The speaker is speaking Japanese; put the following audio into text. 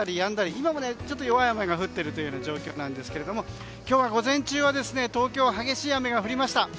今もちょっと弱い雨が降っているというような状況なんですけど今日は午前中は東京激しい雨が降りました。